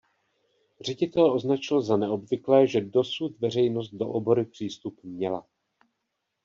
Ředitel označil za neobvyklé že dosud veřejnost do obory přístup měla.